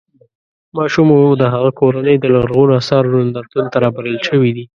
ماشوم او د هغه کورنۍ د لرغونو اثارو نندارتون ته رابلل شوي دي.